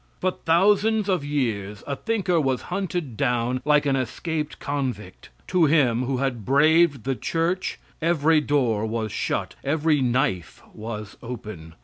For thousands of years a thinker was hunted down like an escaped convict. To him, who had braved the church, every door was shut, every knife was open.